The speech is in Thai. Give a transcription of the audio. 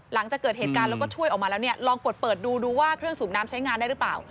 หลังจากเกิดเหตุการณ์แล้วก็ช่วยออกมาแล้วเนี่ยลองกดเปิดดูดูว่าเครื่องสูบน้ำใช้งานได้หรือเปล่า